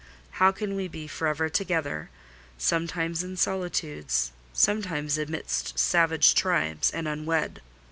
How can we be for ever together—sometimes in solitudes, sometimes amidst savage tribes—and unwed?"